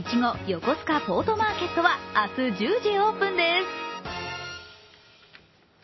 よこすかポートマーケットは、明日１０時オープンです。